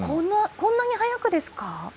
こんなに早くですか。